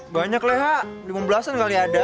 banyak leh ha lima belas an kali ada